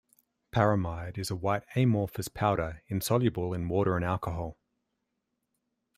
Paramide is a white amorphous powder, insoluble in water and alcohol.